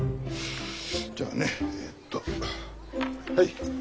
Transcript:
じゃあねえっとはい。